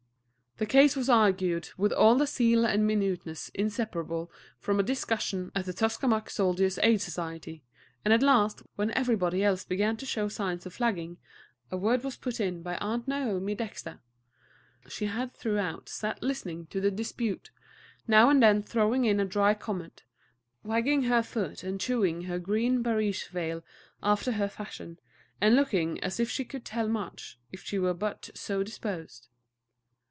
The case was argued with all the zeal and minuteness inseparable from a discussion at the Tuskamuck Soldiers' Aid Society, and at last, when everybody else began to show signs of flagging, a word was put in by Aunt Naomi Dexter. She had throughout sat listening to the dispute, now and then throwing in a dry comment, wagging her foot and chewing her green barège veil after her fashion, and looking as if she could tell much, if she were but so disposed.